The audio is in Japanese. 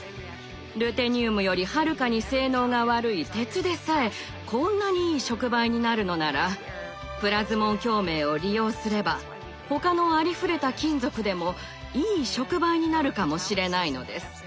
ルテニウムよりはるかに性能が悪い鉄でさえこんなにいい触媒になるのならプラズモン共鳴を利用すれば他のありふれた金属でもいい触媒になるかもしれないのです。